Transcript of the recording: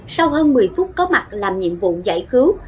sau hơn một mươi phút có mặt làm nhiệm vụ giải cứu